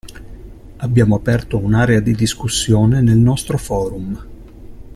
Abbiamo aperto un'area di discussione nel nostro forum.